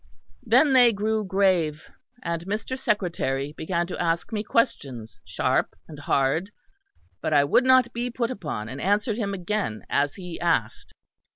Then they grew grave; and Mr. Secretary began to ask me questions, sharp and hard; but I would not be put upon, and answered him again as he asked.